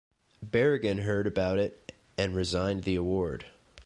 Berrigan heard about it and resigned the Award.